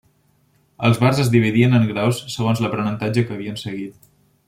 Els bards es dividien en graus segons l'aprenentatge que havien seguit.